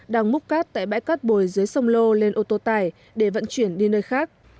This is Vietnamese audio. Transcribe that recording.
đang múc cát tại bãi cát bồi dưới sông lô lên ô tô tải để vận chuyển đi nơi khác